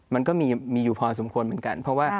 มันก็มีอยู่พอสมควรเหมือนกัน